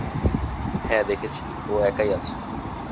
হ্যাঁ, দেখেছি, ও একাই আছে।